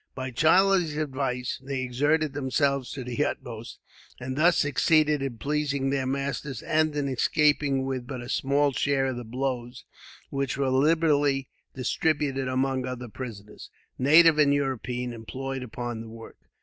By Charlie's advice they exerted themselves to the utmost, and thus succeeded in pleasing their masters, and in escaping with but a small share of the blows, which were liberally distributed among other prisoners, native and European, employed upon the work.